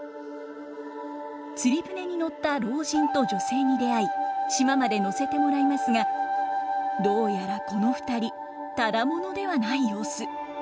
釣り舟に乗った老人と女性に出会い島まで乗せてもらいますがどうやらこの２人只者ではない様子。